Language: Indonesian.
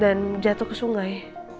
dan jatuh ke sungai